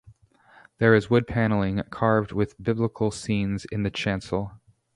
There is wood panelling carved with biblical scenes in the chancel.